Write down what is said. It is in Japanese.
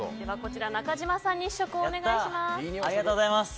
中島さんに試食をお願いします。